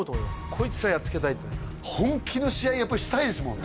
こいつらやっつけたいって本気の試合やっぱりしたいですもんね